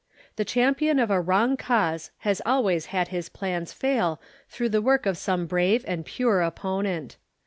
The champion of a Avrong cause has always had his plans fail through the work of some brave and pure opponent.